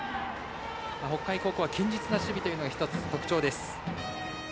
北海高校は堅実な守備というのが１つ特徴です。